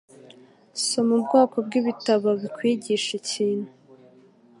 Soma ubwoko bwibitabo bikwigisha ikintu.